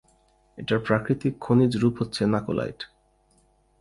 এটার প্রাকৃতিক খনিজ রূপ হচ্ছে নাকোলাইট।